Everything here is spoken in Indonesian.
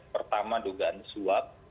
pertama dugaan suap